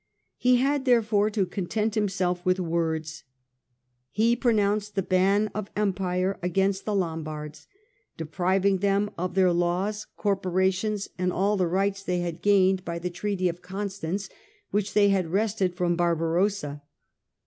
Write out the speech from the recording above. He had, therefore, to content himself with words. He pronounced the ban of the Empire against the Lombards, depriving them of their laws, corporations, and all the rights they had gained by 74 STUPOR MUNDI the treaty of Constance, which they had wrested from Barbarossa.